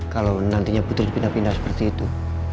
kalau nantinya butuh pindah pindah seperti itu